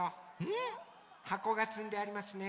ん？はこがつんでありますね。